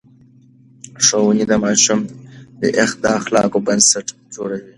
ښوونې د ماشوم د اخلاقو بنسټ جوړوي.